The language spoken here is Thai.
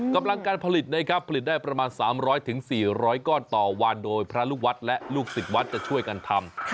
กำลังการผลิตนะครับผลิตได้ประมาณ๓๐๐๔๐๐ก้อนต่อวันโดยพระลูกวัดและลูกศิษย์วัดจะช่วยกันทำ